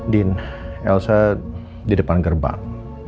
din elsa di depan gerbang